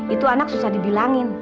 itu anak susah dibilangin